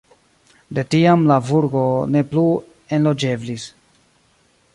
De tiam la burgo ne plu enloĝeblis.